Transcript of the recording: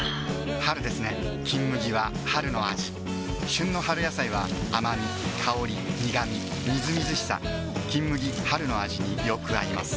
春ですね「金麦」は春の味旬の春野菜は甘み香り苦みみずみずしさ「金麦」春の味によく合います